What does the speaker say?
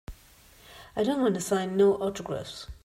I don't wanta sign no autographs.